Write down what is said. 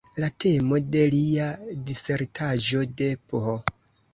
La temo de lia disertaĵo de Ph.